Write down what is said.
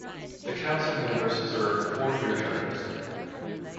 The council members serve four-year terms.